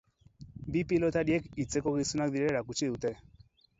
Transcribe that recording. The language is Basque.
Bi pilotariek hitzeko gizonak direla erakutsi dute.